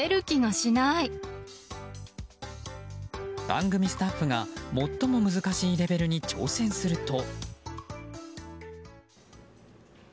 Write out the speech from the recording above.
番組スタッフが最も難しいレベルに挑戦すると。